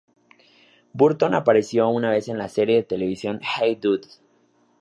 Burton apareció una vez en la serie de televisión Hey Dude.